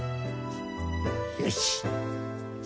よし。